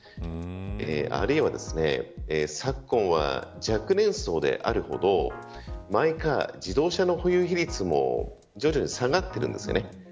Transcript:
あるいは昨今は若年層であるほど自動車の保有比率も徐々に下がってるんですね。